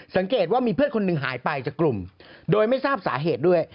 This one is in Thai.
สังเกตว่ามีเพื่อนคนหนึ่งหายไปจากกลุ่มโดยไม่ทราบสาเหตุด้วย